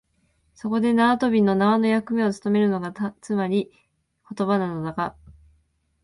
そこで縄跳びの縄の役目をつとめるのが、つまり言葉なのだが、